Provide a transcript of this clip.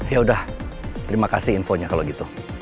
ya udah terima kasih infonya kalau gitu